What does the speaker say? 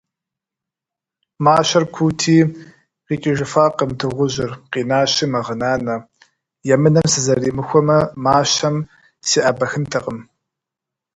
Мащэр куути, къикӏыжыфакъым дыгъужьыр - къинащи, мэгъынанэ: «Емынэм сызэримыхуэмэ, мащэм сеӏэбыхынтэкъым».